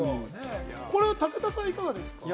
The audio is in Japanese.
武田さんはいかがですか？